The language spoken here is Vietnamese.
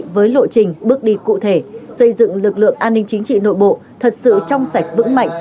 với lộ trình bước đi cụ thể xây dựng lực lượng an ninh chính trị nội bộ thật sự trong sạch vững mạnh